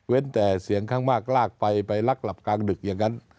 แต่เสียงข้างมากลากไปไปลักหลับกลางดึกอย่างนั้น